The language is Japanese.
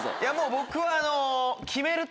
僕は。